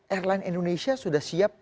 airline indonesia sudah siap